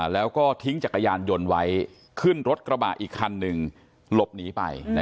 แล้วก็ทิ้งจักรยานยนต์ไว้ขึ้นรถกระบะอีกคันหนึ่งหลบหนีไป